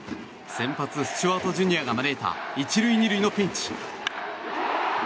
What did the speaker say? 先発スチュワート・ジュニアが招いた１塁２塁のピンチ。